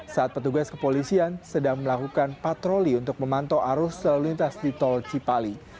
saat petugas kepolisian sedang melakukan patroli untuk memantau arus selalu lintas di tol cipali